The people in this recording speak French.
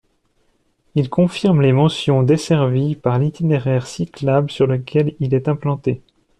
Il confirme les mentions desservies par l'itinéraire cyclable sur lequel il est implanté.